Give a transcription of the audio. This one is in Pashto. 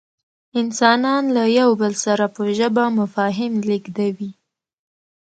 انسانان له یو بل سره په ژبه مفاهیم لېږدوي.